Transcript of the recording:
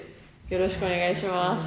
よろしくお願いします